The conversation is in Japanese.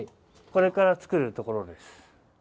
これから作るところです。